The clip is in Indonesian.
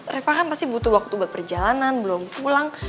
reva kan pasti butuh waktu buat perjalanan belum pulang